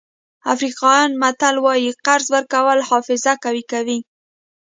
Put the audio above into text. افریقایي متل وایي قرض ورکول حافظه قوي کوي.